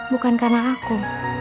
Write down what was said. bukan karena aku